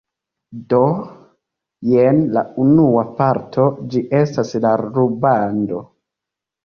Do jen la unua parto, ĝi estas la rubando